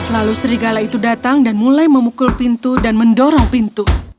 lalu serigala itu datang dan mulai memukul pintu dan mendorong pintu